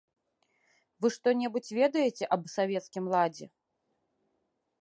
Вы што-небудзь ведаеце аб савецкім ладзе?